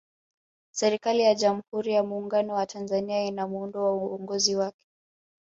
serikali ya jamhuri ya muungano wa tanzania ina muundo wa uongozi wake